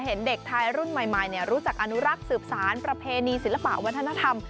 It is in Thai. เห็นเด็กไทยรุ่นใหม่รู้จักอนุรักษ์สืบสารประเพณีศิลปะวัฒนธรรม